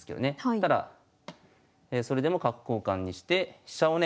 ただそれでも角交換にして飛車をね